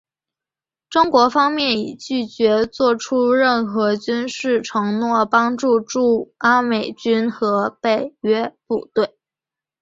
中国方面已拒绝做出任何军事承诺帮助驻阿美军和北约部队。